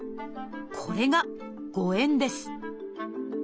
これが「誤えん」です